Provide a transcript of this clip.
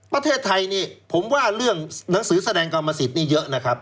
ประเทศไทยนี่ผมว่าเรื่องหนังสือแสดงกรรมสิทธิ์นี่เยอะนะครับ